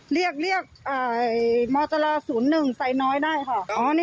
เรียกมอเตอรา๐๑ใส่น้อยได้ค่ะ